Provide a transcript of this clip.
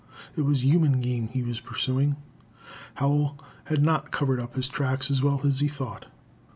It was human game he was pursuing. Howell had not covered up his tracks as well as he thought.